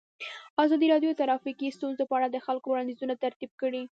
ازادي راډیو د ټرافیکي ستونزې په اړه د خلکو وړاندیزونه ترتیب کړي.